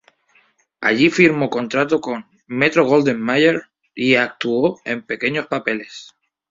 Allí firmó contrato con Metro-Goldwyn-Mayer y actuó en pequeños papeles.